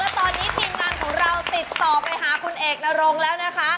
ตอนนี้ทีมงานของเราติดต่อไปหาคุณเอกนรงแล้วนะคะ